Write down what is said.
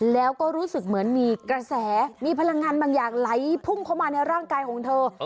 แล้วก็รู้สึกเหมือนมีกระแสมีพลังงานบางอย่างไหลพุ่งเข้ามาในร่างกายของเธอ